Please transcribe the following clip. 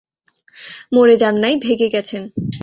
মরে যান নাই, ভেগে গেছেন।